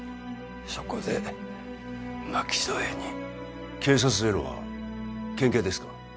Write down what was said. そこで巻き添えに警察というのは県警ですか？